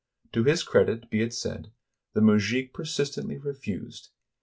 To his credit be it said, the mujik persistently refused.